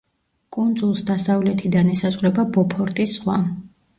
კუნძულს დასავლეთიდან ესაზღვრება ბოფორტის ზღვა.